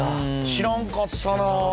知らんかったな。